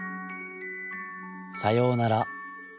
『さようなら』